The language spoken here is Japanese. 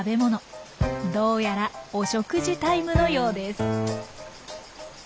どうやらお食事タイムのようです。